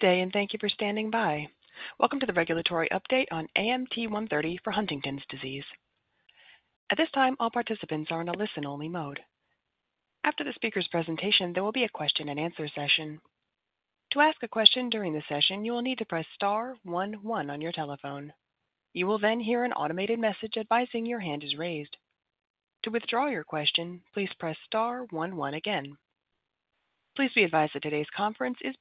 Good day, and thank you for standing by. Welcome to the regulatory update on AMT-130 for Huntington's disease. At this time, all participants are in a listen-only mode. After the speaker's presentation, there will be a question-and-answer session. To ask a question during the session, you will need to press star one one on your telephone. You will then hear an automated message advising your hand is raised. To withdraw your question, please press star one one again. Please be advised that today's conference is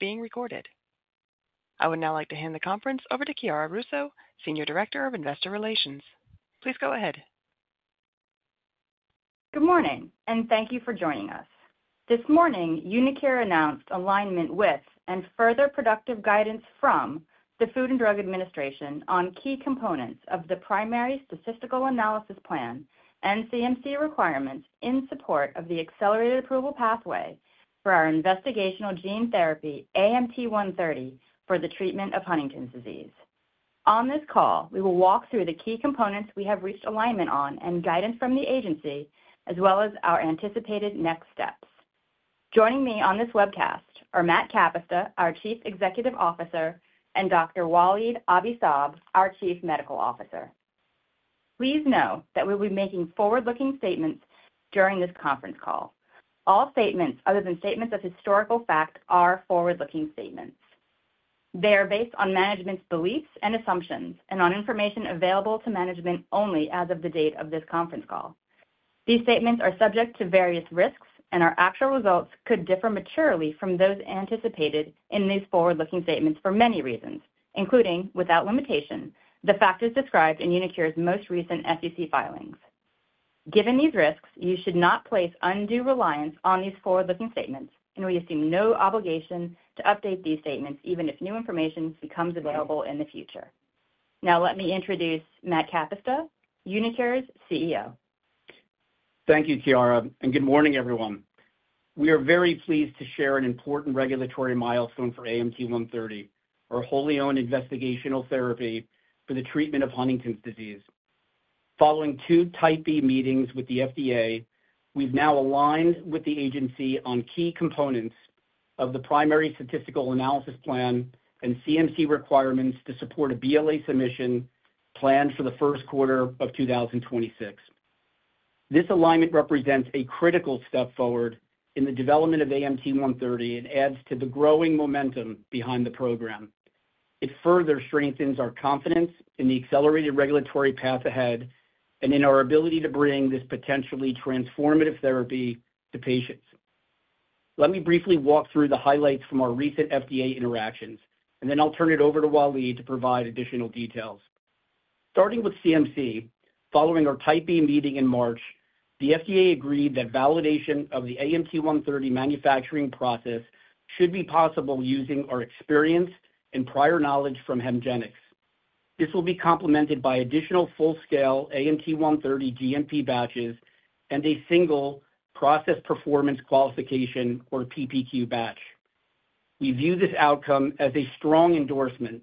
being recorded. I would now like to hand the conference over to Chiara Russo, Senior Director of Investor Relations. Please go ahead. Good morning, and thank you for joining us. This morning, uniQure announced alignment with and further productive guidance from the Food and Drug Administration on key components of the primary statistical analysis plan and CMC requirements in support of the accelerated approval pathway for our investigational gene therapy AMT-130 for the treatment of Huntington's disease. On this call, we will walk through the key components we have reached alignment on and guidance from the agency, as well as our anticipated next steps. Joining me on this webcast are Matt Kapusta, our Chief Executive Officer, and Dr. Walid Abi-Saab, our Chief Medical Officer. Please know that we will be making forward-looking statements during this conference call. All statements, other than statements of historical fact, are forward-looking statements. They are based on management's beliefs and assumptions and on information available to management only as of the date of this conference call. These statements are subject to various risks, and our actual results could differ materially from those anticipated in these forward-looking statements for many reasons, including, without limitation, the factors described in uniQure's most recent SEC filings. Given these risks, you should not place undue reliance on these forward-looking statements, and we assume no obligation to update these statements even if new information becomes available in the future. Now, let me introduce Matt Kapusta, uniQure's CEO. Thank you, Chiara, and good morning, everyone. We are very pleased to share an important regulatory milestone for AMT-130, our wholly-owned investigational therapy for the treatment of Huntington's disease. Following two Type B meetings with the FDA, we've now aligned with the agency on key components of the primary statistical analysis plan and CMC requirements to support a BLA submission planned for the first quarter of 2026. This alignment represents a critical step forward in the development of AMT-130 and adds to the growing momentum behind the program. It further strengthens our confidence in the accelerated regulatory path ahead and in our ability to bring this potentially transformative therapy to patients. Let me briefly walk through the highlights from our recent FDA interactions, and then I'll turn it over to Walid to provide additional details. Starting with CMC, following our Type B meeting in March, the FDA agreed that validation of the AMT-130 manufacturing process should be possible using our experience and prior knowledge from HEMGENIX. This will be complemented by additional full-scale AMT-130 GMP batches and a single process performance qualification, or PPQ, batch. We view this outcome as a strong endorsement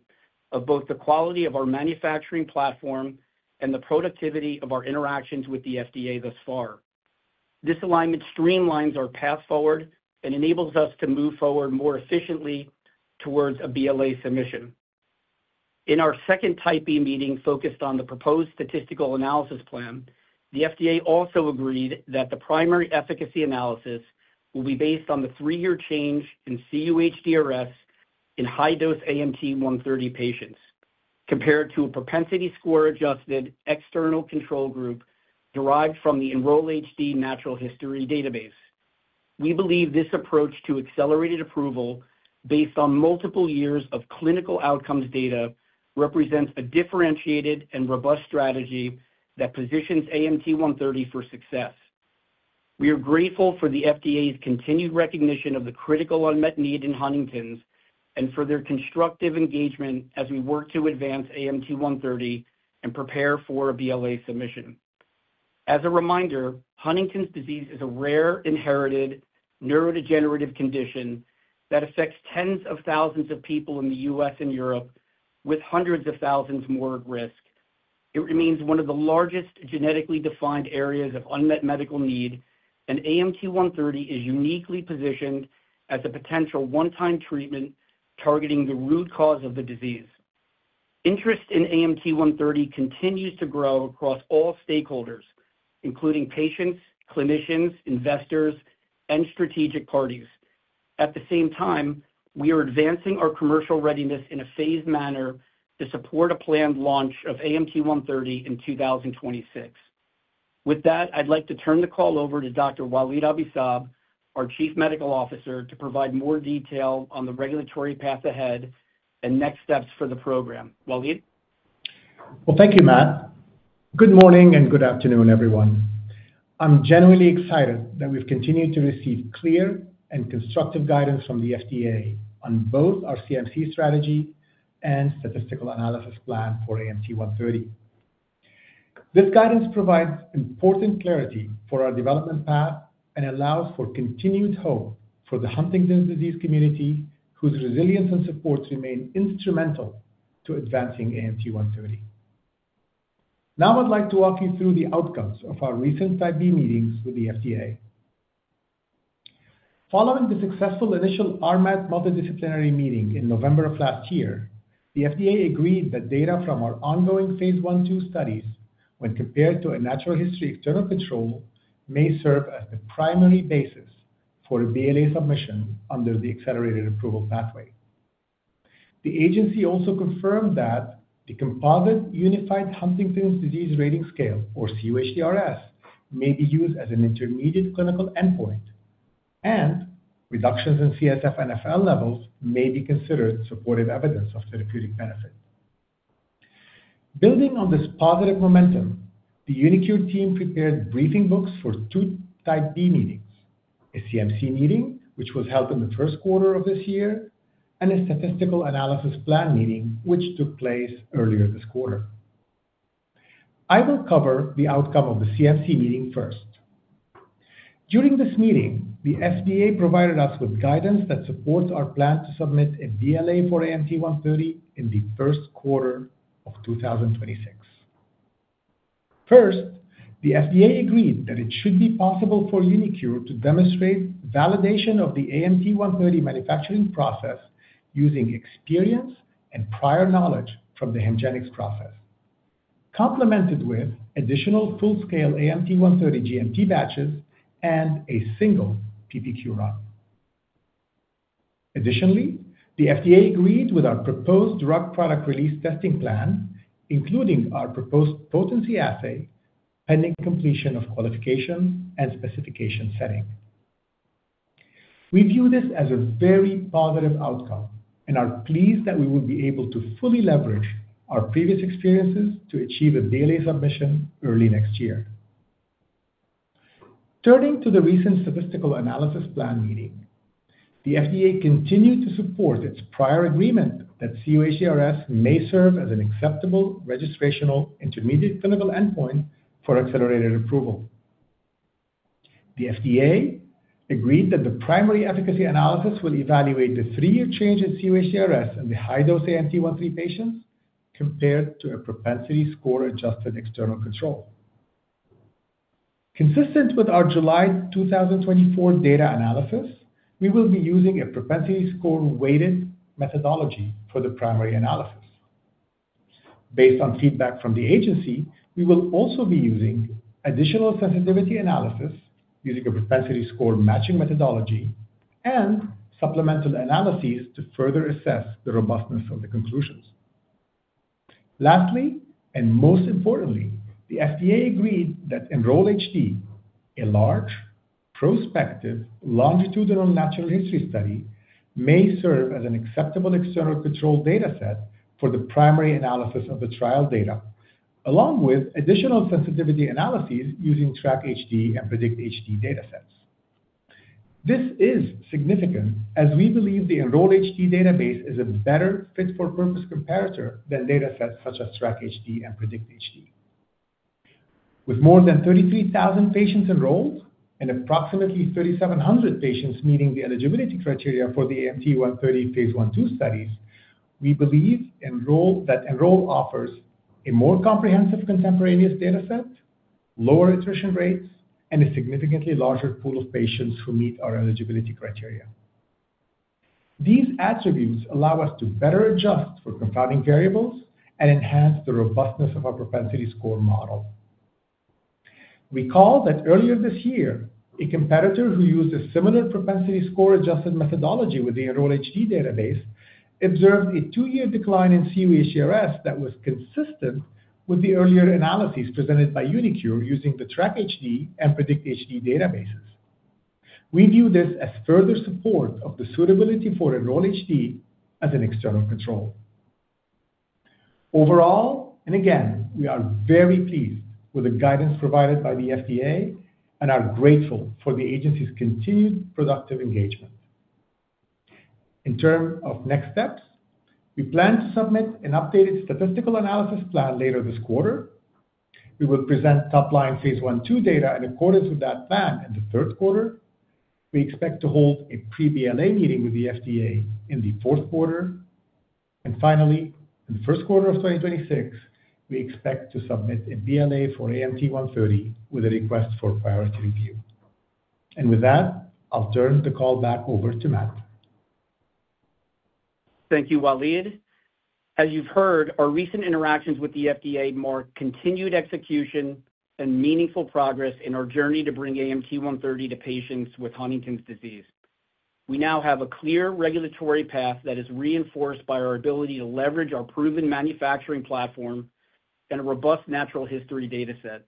of both the quality of our manufacturing platform and the productivity of our interactions with the FDA thus far. This alignment streamlines our path forward and enables us to move forward more efficiently towards a BLA submission. In our second Type B meeting focused on the proposed statistical analysis plan, the FDA also agreed that the primary efficacy analysis will be based on the three-year change in cUHDRS in high-dose AMT-130 patients compared to a propensity score-adjusted external control group derived from the Enroll-HD Natural History database. We believe this approach to accelerated approval, based on multiple years of clinical outcomes data, represents a differentiated and robust strategy that positions AMT-130 for success. We are grateful for the FDA's continued recognition of the critical unmet need in Huntington's and for their constructive engagement as we work to advance AMT-130 and prepare for a BLA submission. As a reminder, Huntington's disease is a rare inherited neurodegenerative condition that affects tens of thousands of people in the U.S. and Europe, with hundreds of thousands more at risk. It remains one of the largest genetically defined areas of unmet medical need, and AMT-130 is uniquely positioned as a potential one-time treatment targeting the root cause of the disease. Interest in AMT-130 continues to grow across all stakeholders, including patients, clinicians, investors, and strategic parties. At the same time, we are advancing our commercial readiness in a phased manner to support a planned launch of AMT-130 in 2026. With that, I'd like to turn the call over to Dr. Walid Abi-Saab, our Chief Medical Officer, to provide more detail on the regulatory path ahead and next steps for the program. Walid? Thank you, Matt. Good morning and good afternoon, everyone. I'm genuinely excited that we've continued to receive clear and constructive guidance from the FDA on both our CMC strategy and statistical analysis plan for AMT-130. This guidance provides important clarity for our development path and allows for continued hope for the Huntington's disease community, whose resilience and support remain instrumental to advancing AMT-130. Now, I'd like to walk you through the outcomes of our recent Type B meetings with the FDA. Following the successful initial RMAT multidisciplinary meeting in November of last year, the FDA agreed that data from our ongoing phase 1-2 studies, when compared to a natural history external control, may serve as the primary basis for a BLA submission under the accelerated approval pathway. The agency also confirmed that the composite Unified Huntington's Disease Rating Scale, or cUHDRS, may be used as an intermediate clinical endpoint, and reductions in CSF and NfL levels may be considered supportive evidence of therapeutic benefit. Building on this positive momentum, the uniQure team prepared briefing books for two Type B meetings: a CMC meeting, which was held in the first quarter of this year, and a statistical analysis plan meeting, which took place earlier this quarter. I will cover the outcome of the CMC meeting first. During this meeting, the FDA provided us with guidance that supports our plan to submit a BLA for AMT-130 in the first quarter of 2026. First, the FDA agreed that it should be possible for uniQure to demonstrate validation of the AMT-130 manufacturing process using experience and prior knowledge from the HEMGENIX process, complemented with additional full-scale AMT-130 GMP batches and a single PPQ run. Additionally, the FDA agreed with our proposed drug product release testing plan, including our proposed potency assay, pending completion of qualification and specification setting. We view this as a very positive outcome and are pleased that we will be able to fully leverage our previous experiences to achieve a BLA submission early next year. Turning to the recent statistical analysis plan meeting, the FDA continued to support its prior agreement that cUHDRS may serve as an acceptable registrational intermediate clinical endpoint for accelerated approval. The FDA agreed that the primary efficacy analysis will evaluate the three-year change in cUHDRS in the high-dose AMT-130 patients compared to a propensity score-adjusted external control. Consistent with our July 2024 data analysis, we will be using a propensity score-weighted methodology for the primary analysis. Based on feedback from the agency, we will also be using additional sensitivity analysis using a propensity score-matching methodology and supplemental analyses to further assess the robustness of the conclusions. Lastly, and most importantly, the FDA agreed that Enroll-HD, a large, prospective longitudinal natural history study, may serve as an acceptable external control dataset for the primary analysis of the trial data, along with additional sensitivity analyses using TRACK-HD and PREDICT-HD datasets. This is significant as we believe the Enroll-HD database is a better fit-for-purpose comparator than datasets such as TRACK-HD and PREDICT-HD. With more than 33,000 patients enrolled and approximately 3,700 patients meeting the eligibility criteria for the AMT-130 phase I-II studies, we believe that Enroll offers a more comprehensive contemporaneous dataset, lower attrition rates, and a significantly larger pool of patients who meet our eligibility criteria. These attributes allow us to better adjust for confounding variables and enhance the robustness of our propensity score model. Recall that earlier this year, a competitor who used a similar propensity score-adjusted methodology with the Enroll-HD database observed a two-year decline in cUHDRS that was consistent with the earlier analyses presented by uniQure using the TRACK-HD and PREDICT-HD databases. We view this as further support of the suitability for Enroll-HD as an external control. Overall, and again, we are very pleased with the guidance provided by the FDA and are grateful for the agency's continued productive engagement. In terms of next steps, we plan to submit an updated statistical analysis plan later this quarter. We will present top-line phase 1-2 data in accordance with that plan in the third quarter. We expect to hold a pre-BLA meeting with the FDA in the fourth quarter. Finally, in the first quarter of 2026, we expect to submit a BLA for AMT-130 with a request for priority review. With that, I'll turn the call back over to Matt. Thank you, Walid. As you've heard, our recent interactions with the FDA mark continued execution and meaningful progress in our journey to bring AMT-130 to patients with Huntington's disease. We now have a clear regulatory path that is reinforced by our ability to leverage our proven manufacturing platform and a robust natural history dataset.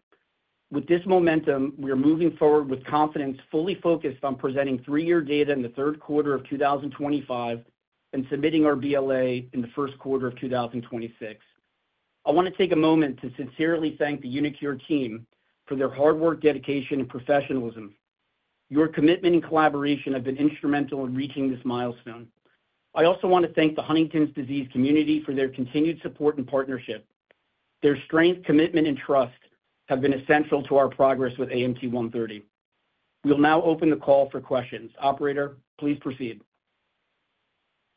With this momentum, we are moving forward with confidence, fully focused on presenting three-year data in the third quarter of 2025 and submitting our BLA in the first quarter of 2026. I want to take a moment to sincerely thank the uniQure team for their hard work, dedication, and professionalism. Your commitment and collaboration have been instrumental in reaching this milestone. I also want to thank the Huntington's disease community for their continued support and partnership. Their strength, commitment, and trust have been essential to our progress with AMT-130. We'll now open the call for questions. Operator, please proceed.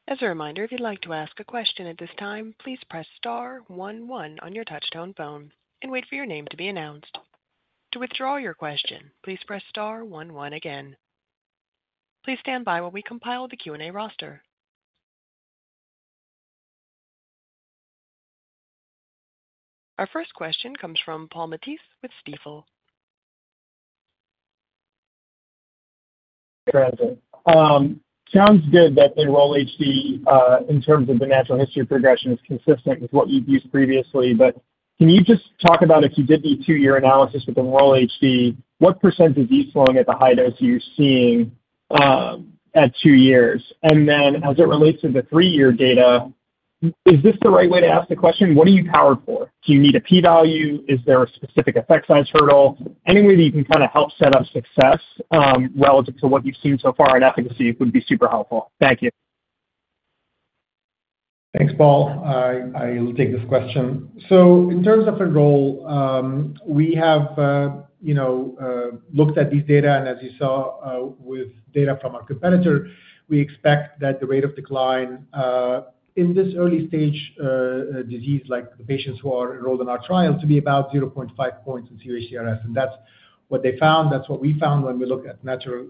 As a reminder, if you'd like to ask a question at this time, please press star 1-1 on your touchstone phone and wait for your name to be announced. To withdraw your question, please press star 1-1 again. Please stand by while we compile the Q&A roster. Our first question comes from Paul Matisse with Stifel. Hi President. Sounds good that the Enroll-HD, in terms of the natural history progression, is consistent with what you've used previously, but can you just talk about, if you did the two-year analysis with Enroll-HD, what % disease slowing at the high dose you're seeing at two years? As it relates to the three-year data, is this the right way to ask the question? What are you powered for? Do you need a p-value? Is there a specific effect size hurdle? Any way that you can kind of help set up success relative to what you've seen so far in efficacy would be super helpful. Thank you. Thanks, Paul. I will take this question. In terms of Enroll, we have looked at these data, and as you saw with data from our competitor, we expect that the rate of decline in this early-stage disease, like the patients who are enrolled in our trial, to be about 0.5 points in cUHDRS. That is what they found. That is what we found when we look at natural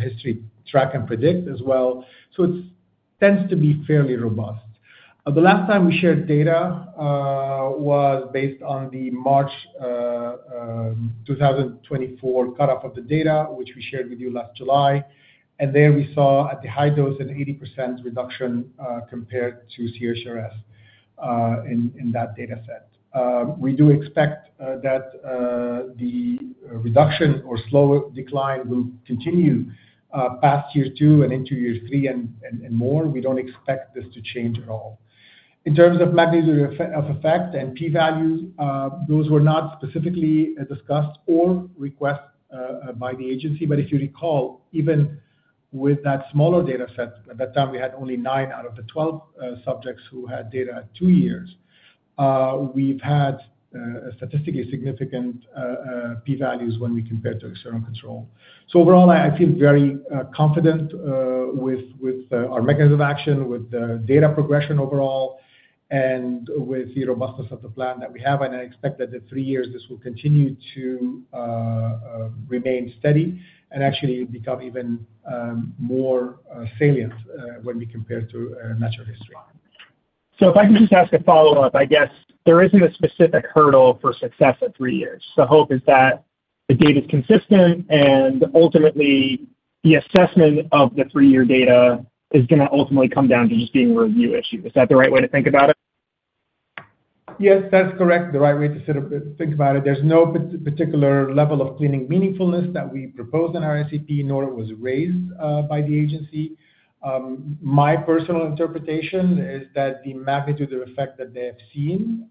history Track and Predict as well. It tends to be fairly robust. The last time we shared data was based on the March 2024 cutoff of the data, which we shared with you last July. There, we saw at the high dose an 80% reduction compared to cUHDRS in that dataset. We do expect that the reduction or slow decline will continue past year two and into year three and more. We do not expect this to change at all. In terms of magnitude of effect and p-values, those were not specifically discussed or requested by the agency. If you recall, even with that smaller dataset, at that time, we had only nine out of the 12 subjects who had data at two years. We have had statistically significant p-values when we compare to external control. Overall, I feel very confident with our mechanism of action, with the data progression overall, and with the robustness of the plan that we have. I expect that in three years, this will continue to remain steady and actually become even more salient when we compare to natural history. If I can just ask a follow-up, I guess there isn't a specific hurdle for success at three years. The hope is that the data is consistent, and ultimately, the assessment of the three-year data is going to ultimately come down to just being a review issue. Is that the right way to think about it? Yes, that's correct. The right way to think about it. There's no particular level of clinical meaningfulness that we propose in our SAP, nor it was raised by the agency. My personal interpretation is that the magnitude of effect that they have seen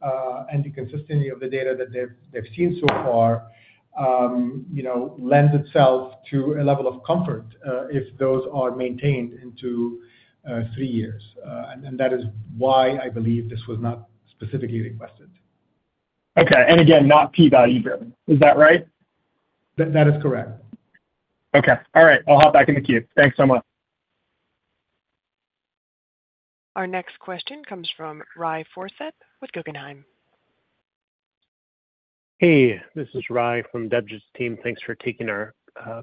and the consistency of the data that they've seen so far lends itself to a level of comfort if those are maintained into three years. That is why I believe this was not specifically requested. Okay. Again, not p-value driven. Is that right? That is correct. Okay. All right. I'll hop back in the queue. Thanks so much. Our next question comes from Ry Forseth with Guggenheim. Hey, this is Rai from Debjit's team. Thanks for taking our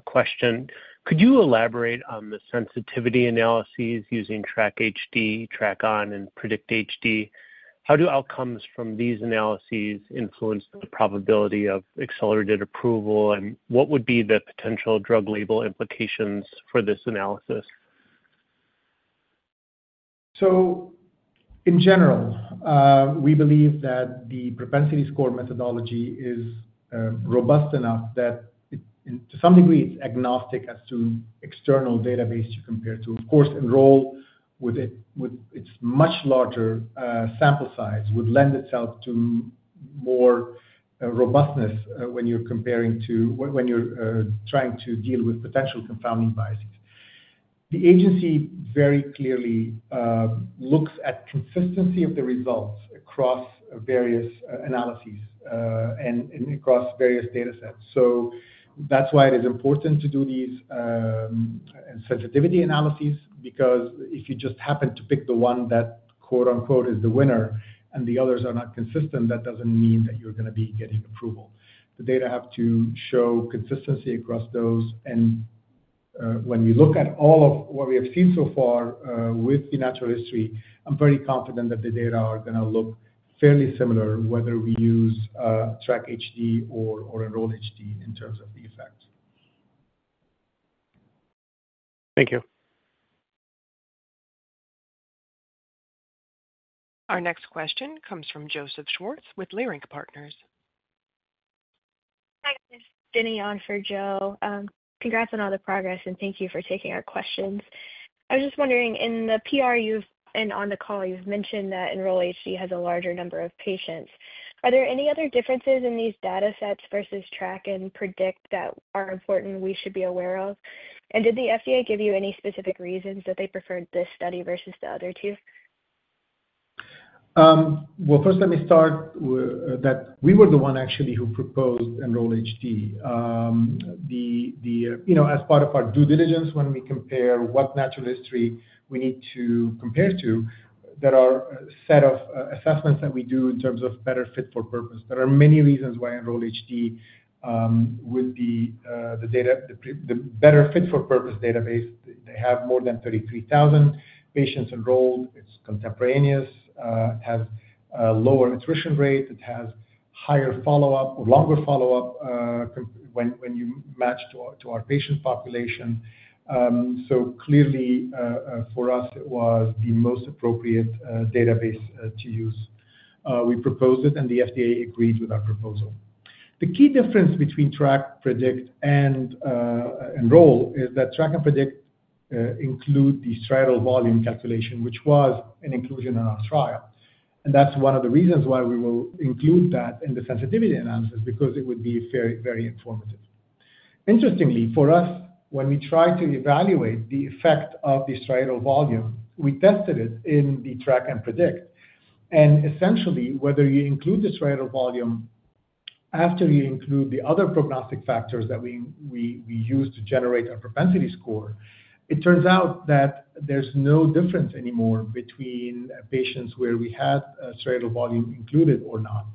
question. Could you elaborate on the sensitivity analyses using TRACK-HD, TRACK-ON, and PREDICT-HD? How do outcomes from these analyses influence the probability of accelerated approval, and what would be the potential drug label implications for this analysis? In general, we believe that the propensity score methodology is robust enough that, to some degree, it's agnostic as to external database to compare to. Of course, Enroll, with its much larger sample size, would lend itself to more robustness when you're trying to deal with potential confounding biases. The agency very clearly looks at consistency of the results across various analyses and across various datasets. That's why it is important to do these sensitivity analyses, because if you just happen to pick the one that "is the winner" and the others are not consistent, that doesn't mean that you're going to be getting approval. The data have to show consistency across those. When we look at all of what we have seen so far with the natural history, I'm very confident that the data are going to look fairly similar whether we use TRACK-HD or Enroll-HD in terms of the effect. Thank you. Our next question comes from Joseph Schwartz with Leerink Partners. Hi, this is Denny on for Joe. Congrats on all the progress, and thank you for taking our questions. I was just wondering, in the PR and on the call, you've mentioned that Enroll-HD has a larger number of patients. Are there any other differences in these datasets versus Track and Predict that are important we should be aware of? Did the FDA give you any specific reasons that they preferred this study versus the other two? First, let me start with that we were the one, actually, who proposed Enroll-HD. As part of our due diligence, when we compare what natural history we need to compare to, there are a set of assessments that we do in terms of better fit for purpose. There are many reasons why Enroll-HD, with the better fit for purpose database, they have more than 33,000 patients enrolled. It's contemporaneous. It has a lower attrition rate. It has higher follow-up or longer follow-up when you match to our patient population. Clearly, for us, it was the most appropriate database to use. We proposed it, and the FDA agreed with our proposal. The key difference between Track, Predict, and Enroll is that Track and Predict include the striatal volume calculation, which was an inclusion in our trial. That's one of the reasons why we will include that in the sensitivity analysis, because it would be very informative. Interestingly, for us, when we tried to evaluate the effect of the striatal volume, we tested it in the Track and Predict. Essentially, whether you include the striatal volume after you include the other prognostic factors that we use to generate a propensity score, it turns out that there's no difference anymore between patients where we had striatal volume included or not.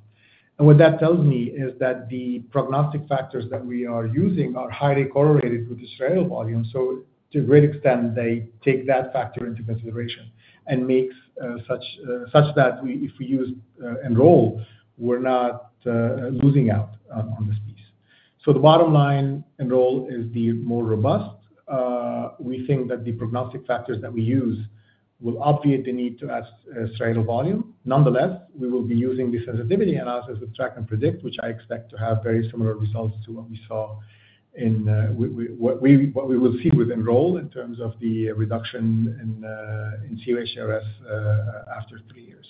What that tells me is that the prognostic factors that we are using are highly correlated with the striatal volume. To a great extent, they take that factor into consideration and make such that if we use Enroll, we're not losing out on this piece. The bottom line, Enroll is the more robust. We think that the prognostic factors that we use will obviate the need to add striatal volume. Nonetheless, we will be using the sensitivity analysis with Track and Predict, which I expect to have very similar results to what we saw in what we will see with Enroll in terms of the reduction in cUHDRS after three years.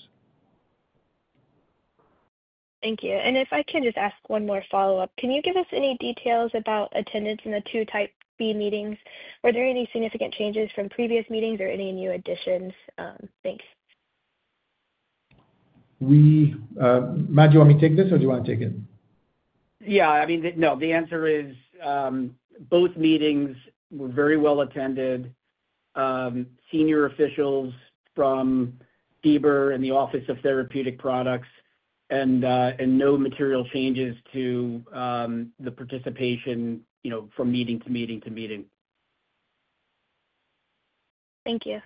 Thank you. If I can just ask one more follow-up, can you give us any details about attendance in the two Type B meetings? Were there any significant changes from previous meetings or any new additions? Thanks. Matt, do you want me to take this, or do you want to take it? Yeah. I mean, no, the answer is both meetings were very well attended, senior officials from CBER and the Office of Therapeutic Products, and no material changes to the participation from meeting to meeting to meeting. Thank you.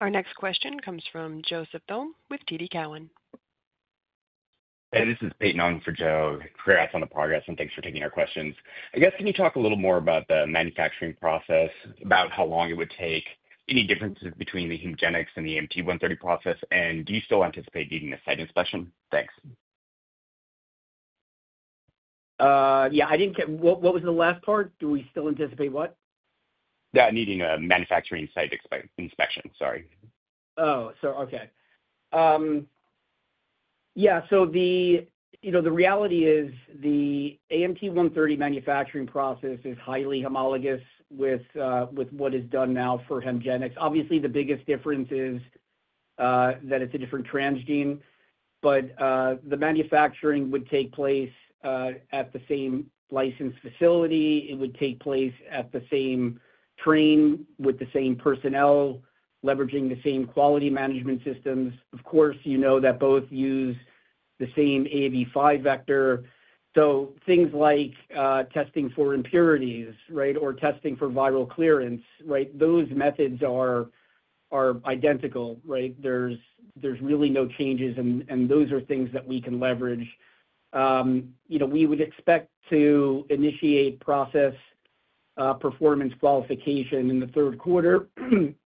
Our next question comes from Joseph Thome with TD Cowen. Hey, this is Peyton Onford, Joe. Congrats on the progress, and thanks for taking our questions. I guess, can you talk a little more about the manufacturing process, about how long it would take, any differences between the HEMGENIX and the AMT-130 process, and do you still anticipate needing a site inspection? Thanks. Yeah. What was the last part? Do we still anticipate what? Yeah, needing a manufacturing site inspection. Sorry. Oh, okay. Yeah. The reality is the AMT-130 manufacturing process is highly homologous with what is done now for HEMGENIX. Obviously, the biggest difference is that it's a different transgene, but the manufacturing would take place at the same licensed facility. It would take place at the same train with the same personnel, leveraging the same quality management systems. Of course, you know that both use the same AAV5 vector. Things like testing for impurities, right, or testing for viral clearance, right, those methods are identical, right? There's really no changes, and those are things that we can leverage. We would expect to initiate process performance qualification in the third quarter,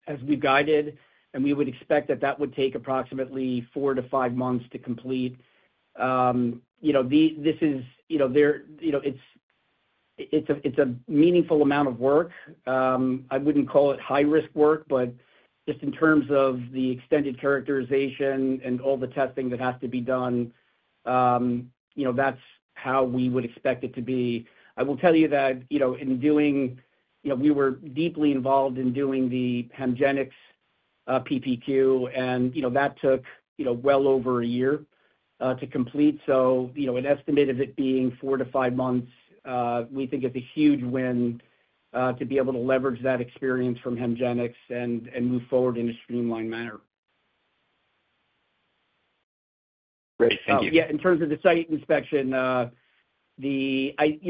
as we've guided, and we would expect that that would take approximately four to five months to complete. This is a meaningful amount of work. I wouldn't call it high-risk work, but just in terms of the extended characterization and all the testing that has to be done, that's how we would expect it to be. I will tell you that in doing we were deeply involved in doing the HEMGENIX PPQ, and that took well over a year to complete. An estimate of it being four to five months, we think is a huge win to be able to leverage that experience from HEMGENIX and move forward in a streamlined manner. Great. Thank you. Yeah. In terms of the site inspection, I think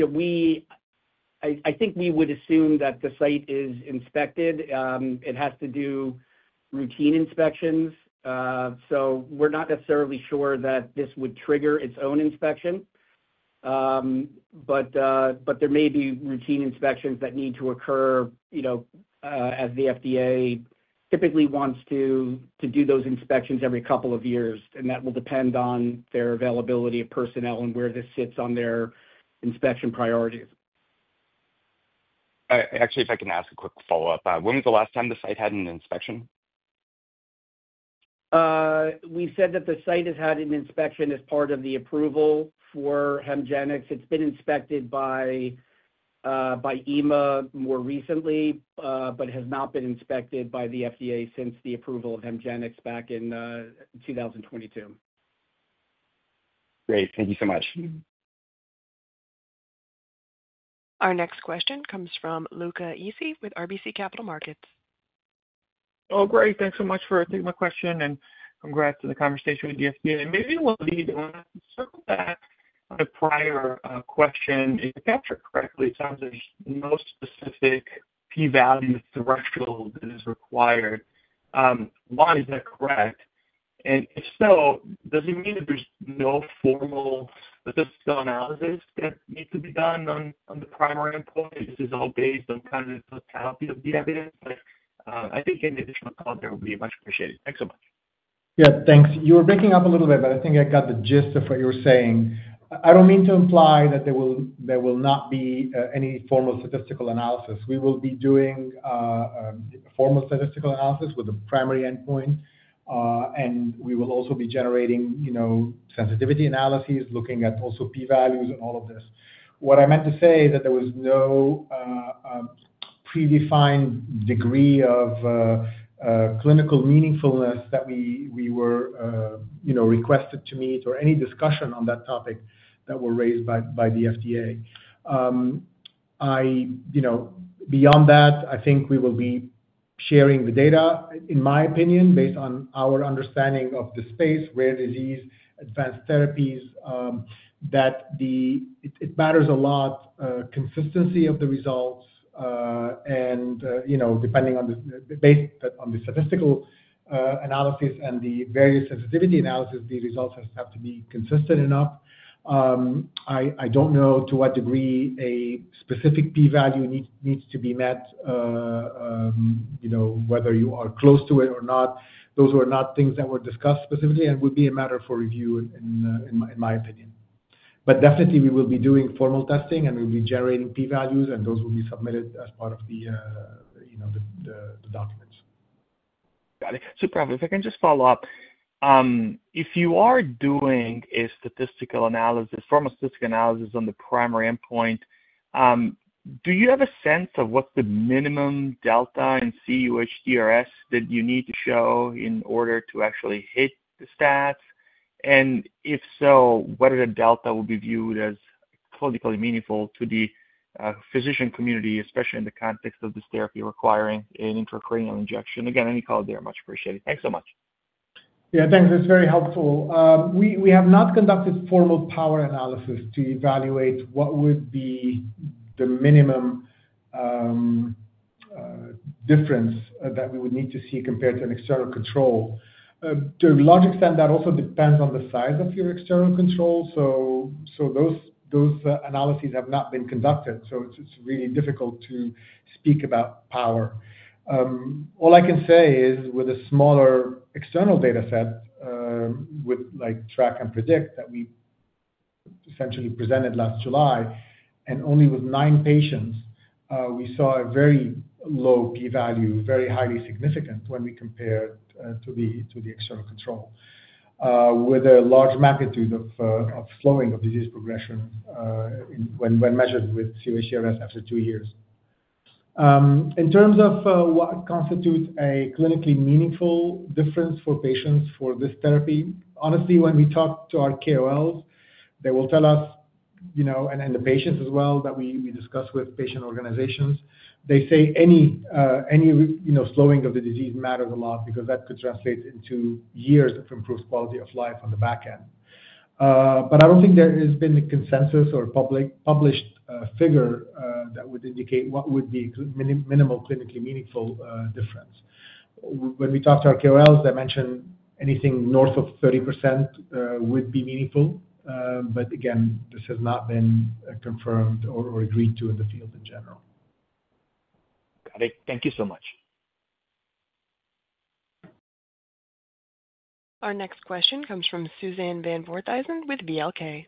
we would assume that the site is inspected. It has to do routine inspections. We're not necessarily sure that this would trigger its own inspection, but there may be routine inspections that need to occur as the FDA typically wants to do those inspections every couple of years, and that will depend on their availability of personnel and where this sits on their inspection priorities. Actually, if I can ask a quick follow-up, when was the last time the site had an inspection? We said that the site has had an inspection as part of the approval for HEMGENIX. It's been inspected by EMA more recently, but has not been inspected by the FDA since the approval of HEMGENIX back in 2022. Great. Thank you so much. Our next question comes from Luca Issi with RBC Capital Markets. Oh, great. Thanks so much for taking my question, and congrats on the conversation with the FDA. Maybe we'll need to circle back on a prior question. If I captured correctly, it sounds like there's no specific p-value threshold that is required. One, is that correct? If so, does it mean that there's no formal statistical analysis that needs to be done on the primary endpoint? Is this all based on kind of the totality of the evidence? I think any additional thought there would be much appreciated. Thanks so much. Yeah. Thanks. You were breaking up a little bit, but I think I got the gist of what you were saying. I don't mean to imply that there will not be any formal statistical analysis. We will be doing a formal statistical analysis with a primary endpoint, and we will also be generating sensitivity analyses, looking at also p-values and all of this. What I meant to say is that there was no predefined degree of clinical meaningfulness that we were requested to meet or any discussion on that topic that were raised by the FDA. Beyond that, I think we will be sharing the data, in my opinion, based on our understanding of the space, rare disease, advanced therapies, that it matters a lot, consistency of the results. And depending on the statistical analysis and the various sensitivity analysis, the results have to be consistent enough. I don't know to what degree a specific p-value needs to be met, whether you are close to it or not. Those were not things that were discussed specifically and would be a matter for review, in my opinion. We will be doing formal testing, and we'll be generating p-values, and those will be submitted as part of the documents. Got it. Prof, if I can just follow up, if you are doing a formal statistical analysis on the primary endpoint, do you have a sense of what's the minimum delta in cUHDRS that you need to show in order to actually hit the stats? If so, whether the delta will be viewed as clinically meaningful to the physician community, especially in the context of this therapy requiring an intracranial injection? Again, any thought there? Much appreciated. Thanks so much. Yeah. Thanks. That's very helpful. We have not conducted formal power analysis to evaluate what would be the minimum difference that we would need to see compared to an external control. To a large extent, that also depends on the size of your external control. Those analyses have not been conducted. It's really difficult to speak about power. All I can say is, with a smaller external dataset with Track and Predict that we essentially presented last July, and only with nine patients, we saw a very low p-value, very highly significant when we compared to the external control, with a large magnitude of slowing of disease progression when measured with cUHDRS after two years. In terms of what constitutes a clinically meaningful difference for patients for this therapy, honestly, when we talk to our KOLs, they will tell us, and the patients as well that we discuss with patient organizations, they say any slowing of the disease matters a lot because that could translate into years of improved quality of life on the back end. I do not think there has been a consensus or a published figure that would indicate what would be minimal clinically meaningful difference. When we talk to our KOLs, they mention anything north of 30% would be meaningful. Again, this has not been confirmed or agreed to in the field in general. Got it. Thank you so much. Our next question comes from Suzanne van Voorthuizen with Kempen.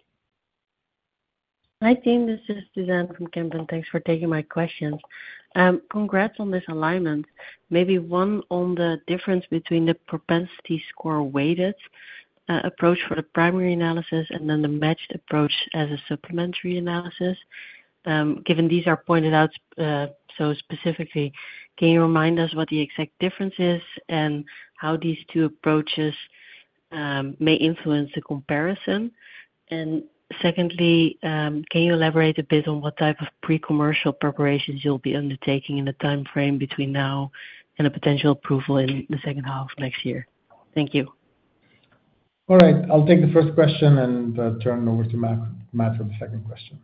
Hi, Team. This is Suzanne from Kempen. Thanks for taking my questions. Congrats on this alignment. Maybe one on the difference between the propensity score weighted approach for the primary analysis and then the matched approach as a supplementary analysis. Given these are pointed out so specifically, can you remind us what the exact difference is and how these two approaches may influence the comparison? Secondly, can you elaborate a bit on what type of pre-commercial preparations you'll be undertaking in the time frame between now and a potential approval in the second half of next year? Thank you. All right. I'll take the first question and turn it over to Matt for the second question.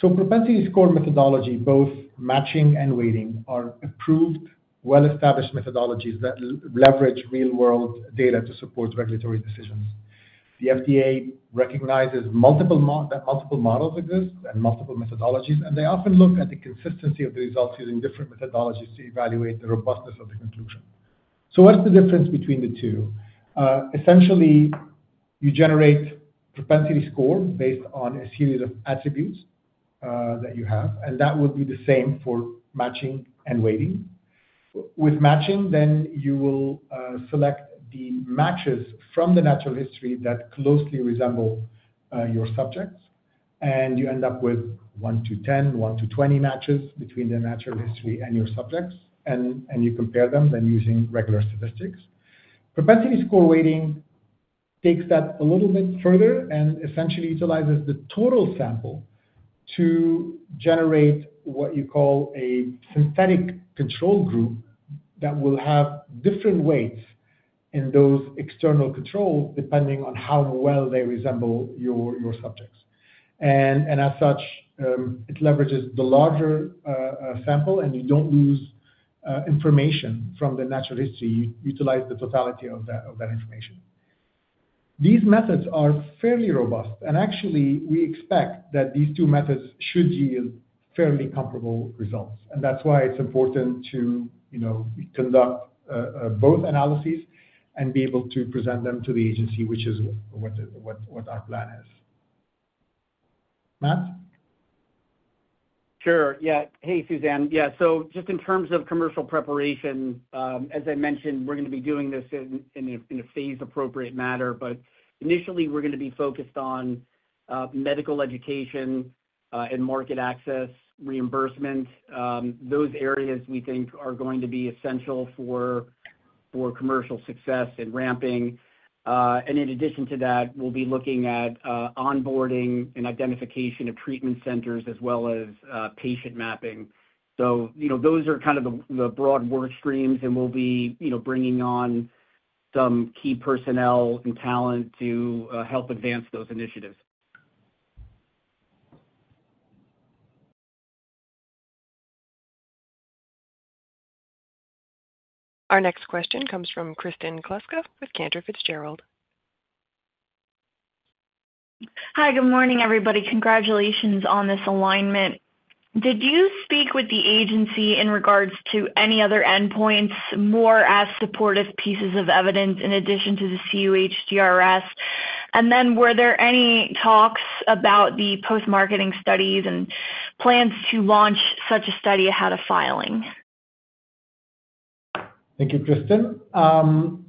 Propensity score methodology, both matching and weighting, are approved, well-established methodologies that leverage real-world data to support regulatory decisions. The FDA recognizes that multiple models exist and multiple methodologies, and they often look at the consistency of the results using different methodologies to evaluate the robustness of the conclusion. What's the difference between the two? Essentially, you generate propensity score based on a series of attributes that you have, and that will be the same for matching and weighting. With matching, you will select the matches from the natural history that closely resemble your subjects, and you end up with one-10, one-20 matches between the natural history and your subjects, and you compare them then using regular statistics. Propensity score weighting takes that a little bit further and essentially utilizes the total sample to generate what you call a synthetic control group that will have different weights in those external controls depending on how well they resemble your subjects. As such, it leverages the larger sample, and you do not lose information from the natural history. You utilize the totality of that information. These methods are fairly robust, and actually, we expect that these two methods should yield fairly comparable results. That is why it is important to conduct both analyses and be able to present them to the agency, which is what our plan is. Matt? Sure. Yeah. Hey, Suzanne. Yeah. Just in terms of commercial preparation, as I mentioned, we're going to be doing this in a phase-appropriate manner, but initially, we're going to be focused on medical education and market access reimbursement. Those areas we think are going to be essential for commercial success and ramping. In addition to that, we'll be looking at onboarding and identification of treatment centers as well as patient mapping. Those are kind of the broad work streams, and we'll be bringing on some key personnel and talent to help advance those initiatives. Our next question comes from Kristen Kluska with Cantor Fitzgerald. Hi. Good morning, everybody. Congratulations on this alignment. Did you speak with the agency in regards to any other endpoints, more as supportive pieces of evidence in addition to the cUHDRS? Did you have any talks about the post-marketing studies and plans to launch such a study ahead of filing? Thank you, Kristen.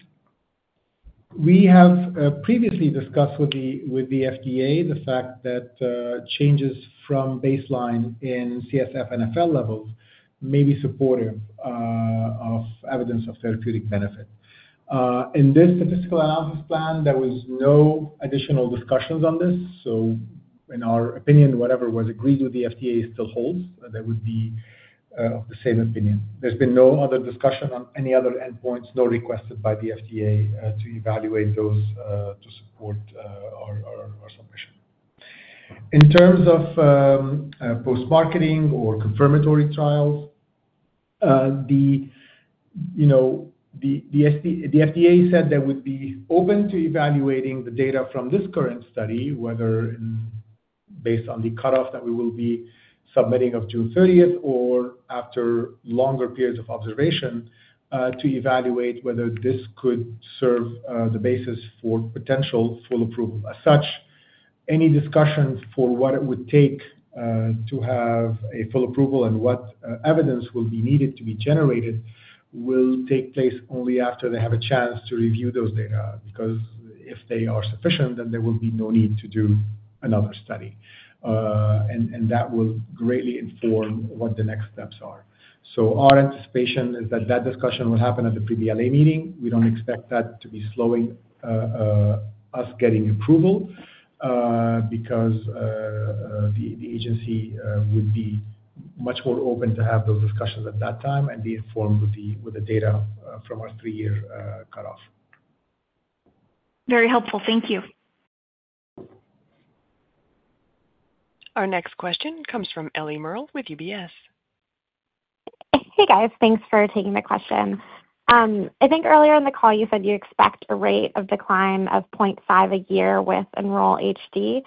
We have previously discussed with the FDA the fact that changes from baseline in CSF and FL levels may be supportive of evidence of therapeutic benefit. In this statistical analysis plan, there were no additional discussions on this. In our opinion, whatever was agreed with the FDA still holds. They would be of the same opinion. There's been no other discussion on any other endpoints, nor requested by the FDA to evaluate those to support our submission. In terms of post-marketing or confirmatory trials, the FDA said they would be open to evaluating the data from this current study, whether based on the cutoff that we will be submitting of June 30 or after longer periods of observation, to evaluate whether this could serve the basis for potential full approval. As such, any discussion for what it would take to have a full approval and what evidence will be needed to be generated will take place only after they have a chance to review those data, because if they are sufficient, then there will be no need to do another study. That will greatly inform what the next steps are. Our anticipation is that that discussion will happen at the Pre-BLA meeting. We do not expect that to be slowing us getting approval because the agency would be much more open to have those discussions at that time and be informed with the data from our three-year cutoff. Very helpful. Thank you. Our next question comes from Ellie Merle with UBS. Hey, guys. Thanks for taking the question. I think earlier in the call, you said you expect a rate of decline of 0.5 a year with Enroll-HD.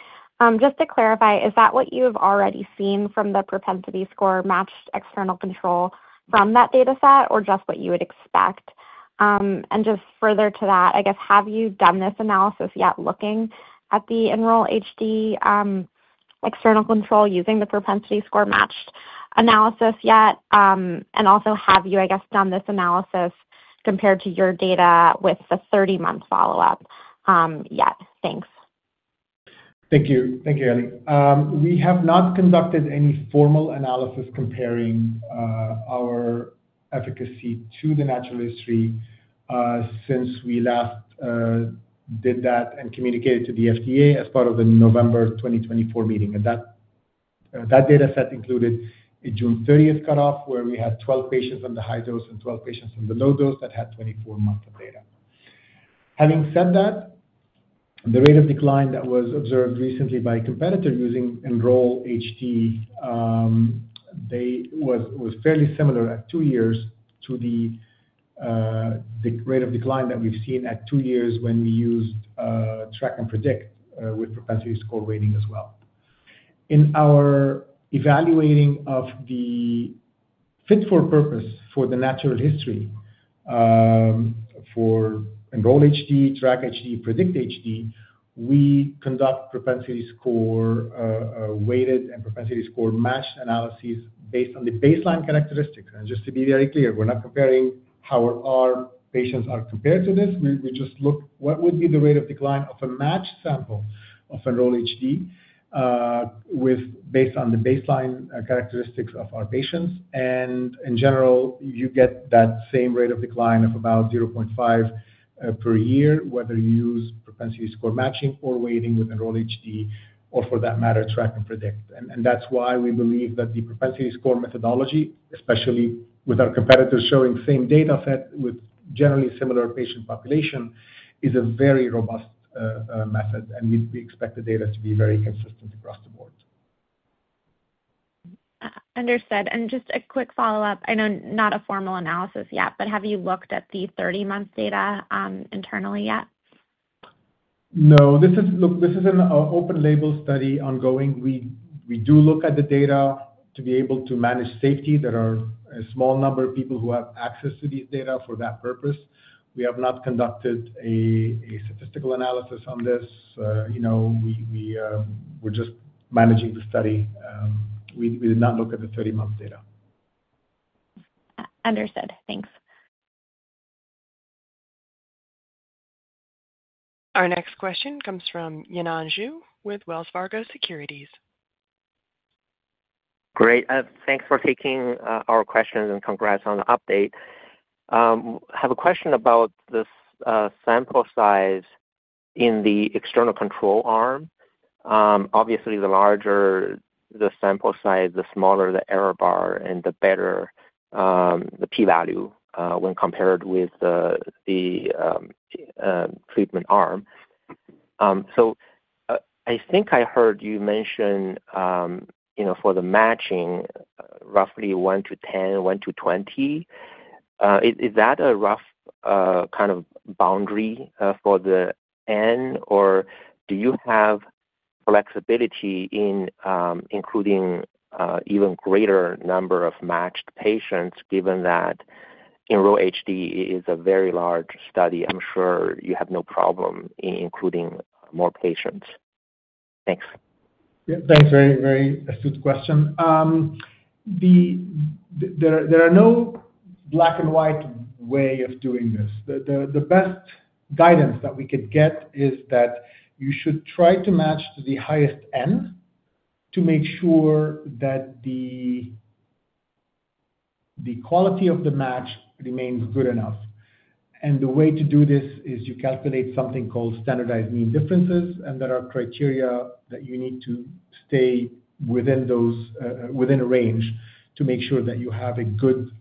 Just to clarify, is that what you have already seen from the propensity score matched external control from that dataset or just what you would expect? Just further to that, I guess, have you done this analysis yet looking at the Enroll-HD external control using the propensity score matched analysis yet? Also, have you, I guess, done this analysis compared to your data with the 30-month follow-up yet? Thanks. Thank you. Thank you, Ellie. We have not conducted any formal analysis comparing our efficacy to the natural history since we last did that and communicated to the FDA as part of the November 2024 meeting. That dataset included a June 30 cutoff where we had 12 patients on the high dose and 12 patients on the low dose that had 24 months of data. Having said that, the rate of decline that was observed recently by a competitor using Enroll-HD was fairly similar at two years to the rate of decline that we've seen at two years when we used TRACK-HD and PREDICT-HD with propensity score weighting as well. In our evaluating of the fit for purpose for the natural history for Enroll-HD, TRACK-HD, PREDICT-HD, we conduct propensity score weighted and propensity score matched analyses based on the baseline characteristics. To be very clear, we're not comparing how our patients are compared to this. We just look what would be the rate of decline of a matched sample of Enroll-HD based on the baseline characteristics of our patients. In general, you get that same rate of decline of about 0.5 per year, whether you use propensity score matching or weighting with Enroll-HD or, for that matter, TRACK-HD and PREDICT-HD. That's why we believe that the propensity score methodology, especially with our competitors showing the same dataset with generally similar patient population, is a very robust method, and we expect the data to be very consistent across the board. Understood. Just a quick follow-up. I know not a formal analysis yet, but have you looked at the 30-month data internally yet? No. Look, this is an open-label study ongoing. We do look at the data to be able to manage safety. There are a small number of people who have access to these data for that purpose. We have not conducted a statistical analysis on this. We're just managing the study. We did not look at the 30-month data. Understood. Thanks. Our next question comes from Yanan Zhu with Wells Fargo Securities. Great. Thanks for taking our questions and congrats on the update. I have a question about the sample size in the external control arm. Obviously, the larger the sample size, the smaller the error bar, and the better the p-value when compared with the treatment arm. I think I heard you mention for the matching, roughly one to 10, one to 20. Is that a rough kind of boundary for the end, or do you have flexibility in including an even greater number of matched patients given that Enroll-HD is a very large study? I'm sure you have no problem in including more patients. Thanks. Yeah. Thanks. Very astute question. There are no black-and-white way of doing this. The best guidance that we could get is that you should try to match to the highest end to make sure that the quality of the match remains good enough. The way to do this is you calculate something called standardized mean differences, and there are criteria that you need to stay within a range to make sure that you have a good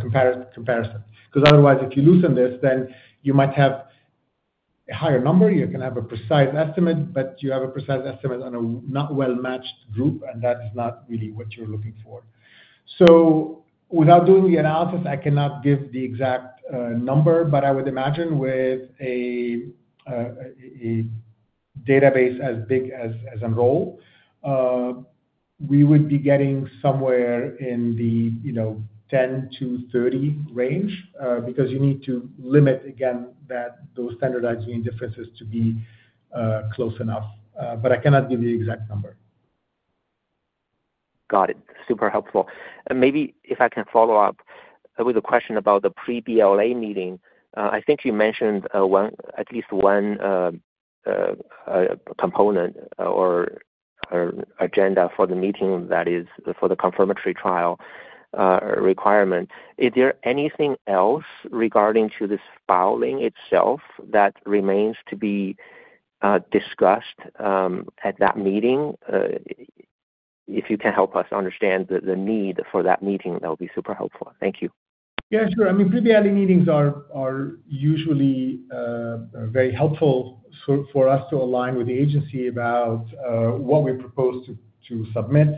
comparison. Because otherwise, if you loosen this, then you might have a higher number. You can have a precise estimate, but you have a precise estimate on a not well-matched group, and that is not really what you're looking for. Without doing the analysis, I cannot give the exact number, but I would imagine with a database as big as Enroll-HD, we would be getting somewhere in the 10-30 range because you need to limit, again, those standardized mean differences to be close enough. I cannot give you the exact number. Got it. Super helpful. Maybe if I can follow up with a question about the pre-BLA meeting, I think you mentioned at least one component or agenda for the meeting that is for the confirmatory trial requirement. Is there anything else regarding this filing itself that remains to be discussed at that meeting? If you can help us understand the need for that meeting, that would be super helpful. Thank you. Yeah. Sure. I mean, pre-BLA meetings are usually very helpful for us to align with the agency about what we propose to submit.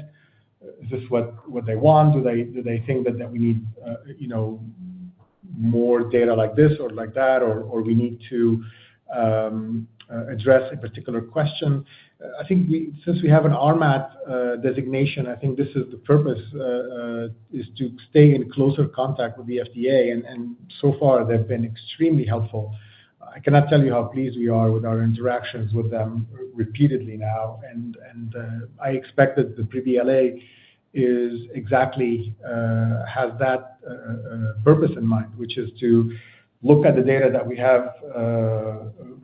Is this what they want? Do they think that we need more data like this or like that, or we need to address a particular question? I think since we have an RMAT designation, I think this is the purpose, is to stay in closer contact with the FDA. And so far, they've been extremely helpful. I cannot tell you how pleased we are with our interactions with them repeatedly now. I expect that the pre-BLA has that purpose in mind, which is to look at the data that we're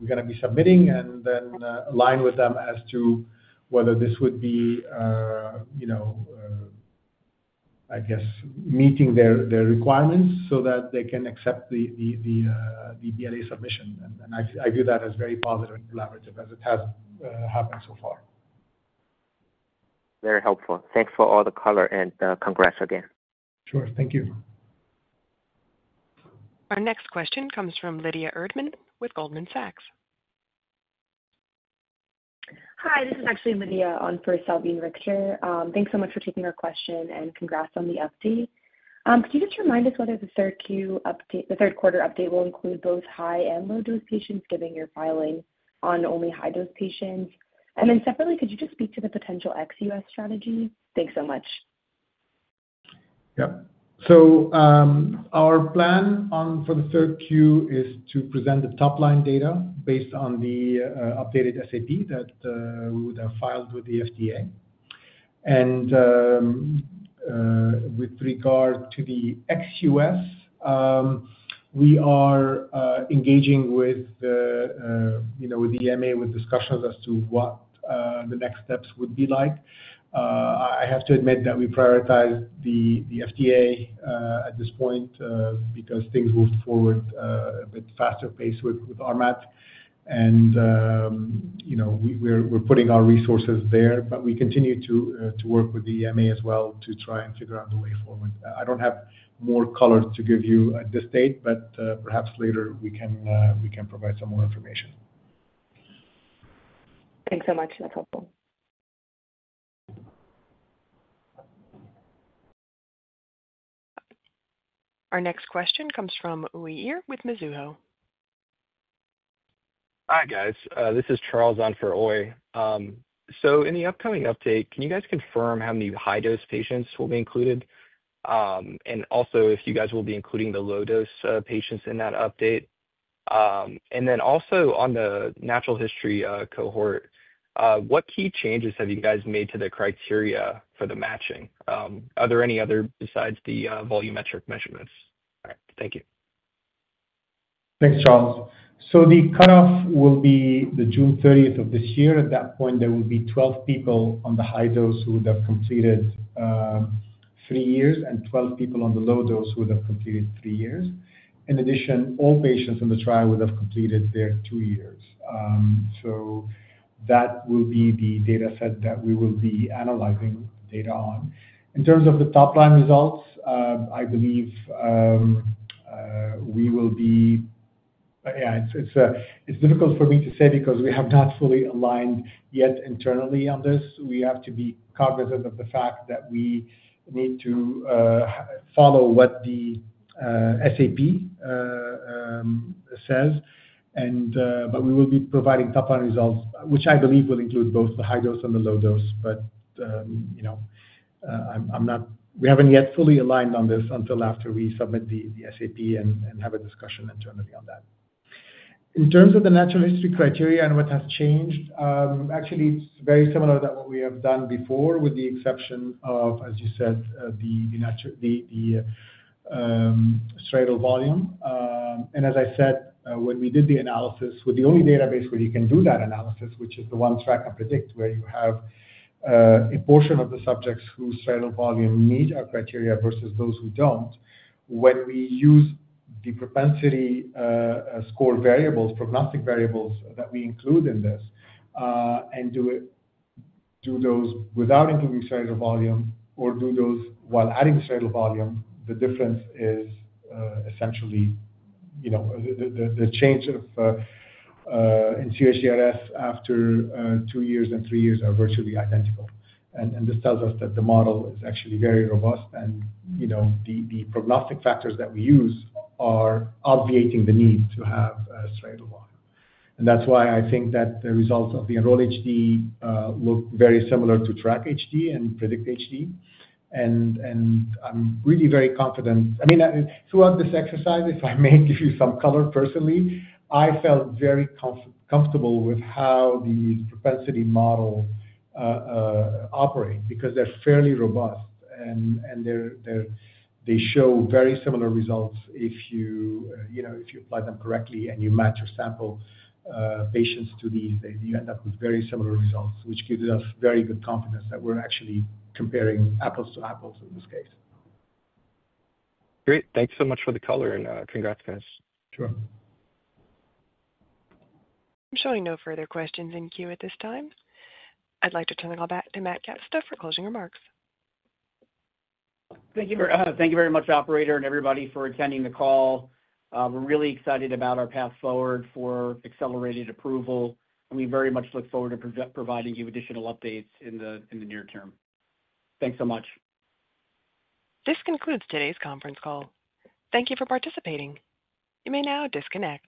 going to be submitting and then align with them as to whether this would be, I guess, meeting their requirements so that they can accept the BLA submission. I view that as very positive and collaborative as it has happened so far. Very helpful. Thanks for all the color and congrats again. Sure. Thank you. Our next question comes from Lydia Erdman with Goldman Sachs. Hi. This is actually Lydia on for Salveen Richter. Thanks so much for taking our question and congrats on the update. Could you just remind us whether the third-quarter update will include both high and low-dose patients given your filing on only high-dose patients? Could you just speak to the potential ex-U.S. strategy? Thanks so much. Yep. Our plan for the third Q is to present the top-line data based on the updated SAP that we would have filed with the FDA. With regard to the ex-U.S., we are engaging with the EMA with discussions as to what the next steps would be like. I have to admit that we prioritize the FDA at this point because things moved forward at a bit faster pace with RMAT. We're putting our resources there, but we continue to work with the EMA as well to try and figure out the way forward. I don't have more color to give you at this date, but perhaps later we can provide some more information. Thanks so much. That's helpful. Our next question comes from Oui with Mizuho. Hi, guys. This is Charles on for Oui. In the upcoming update, can you guys confirm how many high-dose patients will be included? Also, if you guys will be including the low-dose patients in that update. Also, on the natural history cohort, what key changes have you guys made to the criteria for the matching? Are there any other besides the volumetric measurements? All right. Thank you. Thanks, Charles. The cutoff will be the June 30th of this year. At that point, there will be 12 people on the high dose who would have completed three years and 12 people on the low dose who would have completed three years. In addition, all patients in the trial would have completed their two years. That will be the dataset that we will be analyzing data on. In terms of the top-line results, I believe we will be—yeah, it's difficult for me to say because we have not fully aligned yet internally on this. We have to be cognizant of the fact that we need to follow what the SAP says. We will be providing top-line results, which I believe will include both the high dose and the low dose. We haven't yet fully aligned on this until after we submit the SAP and have a discussion internally on that. In terms of the natural history criteria and what has changed, actually, it's very similar to what we have done before with the exception of, as you said, the striatal volume. As I said, when we did the analysis with the only database where you can do that analysis, which is the one Track and Predict where you have a portion of the subjects whose striatal volume meets our criteria versus those who don't, when we use the propensity score variables, prognostic variables that we include in this and do those without including striatal volume or do those while adding striatal volume, the difference is essentially the change in cUHDRS after two years and three years are virtually identical. This tells us that the model is actually very robust, and the prognostic factors that we use are obviating the need to have striatal volume. That is why I think that the results of the Enroll-HD look very similar to TRACK-HD and PREDICT-HD. I am really very confident. I mean, throughout this exercise, if I may give you some color personally, I felt very comfortable with how these propensity models operate because they are fairly robust, and they show very similar results if you apply them correctly and you match your sample patients to these. You end up with very similar results, which gives us very good confidence that we are actually comparing apples to apples in this case. Great. Thanks so much for the color, and congrats, guys. Sure. I'm showing no further questions in queue at this time. I'd like to turn it all back to Matt Kapusta for closing remarks. Thank you very much, operator, and everybody for attending the call. We're really excited about our path forward for accelerated approval, and we very much look forward to providing you additional updates in the near term. Thanks so much. This concludes today's conference call. Thank you for participating. You may now disconnect.